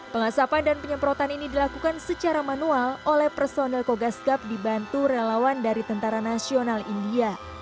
pengasapan dan penyemprotan ini dilakukan secara manual oleh personel kogas gap dibantu relawan dari tentara nasional india